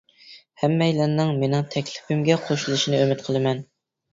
ھەممەيلەننىڭ مېنىڭ تەكلىپىمگە قوشۇلۇشىنى ئۈمىد قىلىمەن.